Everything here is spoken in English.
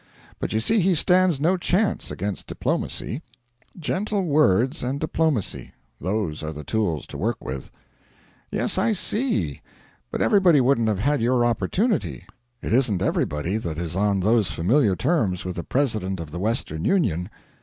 But you see he stands no chance against diplomacy. Gentle words and diplomacy those are the tools to work with.' 'Yes, I see: but everybody wouldn't have had your opportunity. It isn't everybody that is on those familiar terms with the President of the Western Union.'